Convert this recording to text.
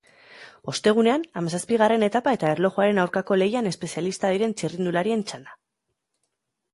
Ostegunean, hamazazpigarren etapa eta erlojuaren aurkako lehian espezialista diren txirrindularien txanda.